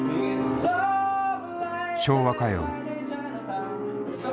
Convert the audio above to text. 昭和歌謡。